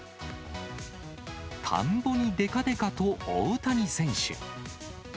田んぼにでかでかと大谷選手。